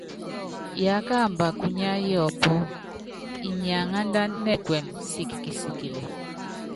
Yákamba kunya yɔpɔ́, inyi anándána nɛkuɛmɛ sikikisikilɛ.